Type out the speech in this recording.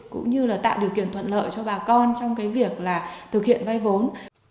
cũng như tạo điều kiện thuận lợi cho bà con trong việc thực hiện vay vốn